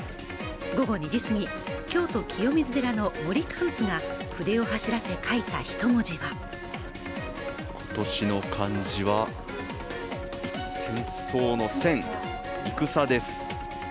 午後２時すぎ、京都清水寺の森貫主が筆を走らせ書いたひと文字は今年の漢字は、戦争の戦「戦」です。